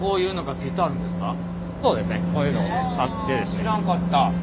あ知らんかった。